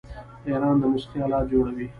ایران د موسیقۍ الات جوړوي.